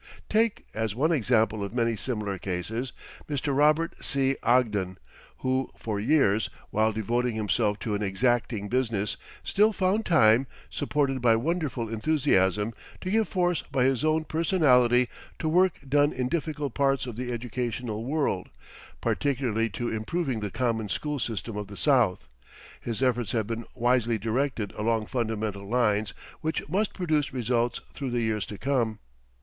Take, as one example of many similar cases, Mr. Robert C. Ogden, who for years, while devoting himself to an exacting business, still found time, supported by wonderful enthusiasm, to give force by his own personality to work done in difficult parts of the educational world, particularly to improving the common school system of the South. His efforts have been wisely directed along fundamental lines which must produce results through the years to come.